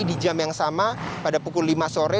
di jam yang sama pada pukul lima sore